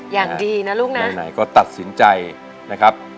อย่างดีนะลูกนะไหนก็ตัดสินใจนะครับ